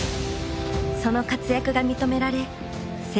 その活躍が認められ世界